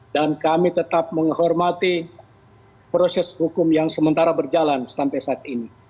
dan kami tetap menghormati proses hukum yang sementara berjalan sampai saat ini